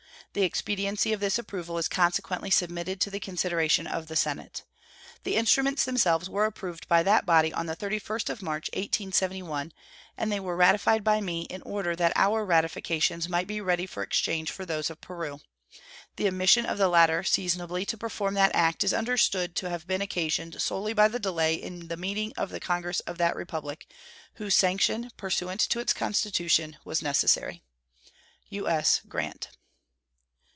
The expediency of this approval is consequently submitted to the consideration of the Senate. The instruments themselves were approved by that body on the 31st of March, 1871, and they were ratified by me in order that our ratifications might be ready for exchange for those of Peru. The omission of the latter seasonably to perform that act is understood to have been occasioned solely by the delay in the meeting of the Congress of that Republic, whose sanction, pursuant to its constitution, was necessary. U.S. GRANT.